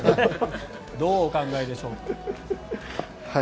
どうお考えでしょうか。